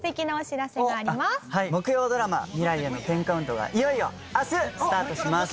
木曜ドラマ『未来への１０カウント』がいよいよ明日スタートします。